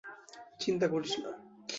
চিন্তা করিস না।